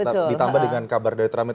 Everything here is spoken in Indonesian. ditambah dengan kabar dari trump ini